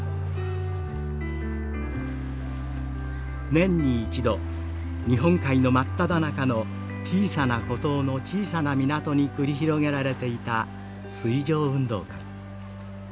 「年に一度日本海の真っただ中の小さな孤島の小さな港に繰り広げられていた水上運動会。